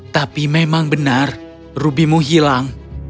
tapi memang benar rubimu hilang